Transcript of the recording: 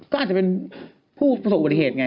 ก็อาจจะเป็นผู้ประสบอุบัติเหตุไง